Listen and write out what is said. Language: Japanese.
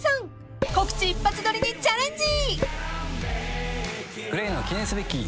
［告知一発撮りにチャレンジ！］